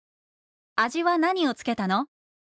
「味は何をつけたの？」。